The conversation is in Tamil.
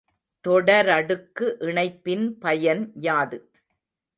தொடரடுக்கு இணைப்பின் பயன் யாது?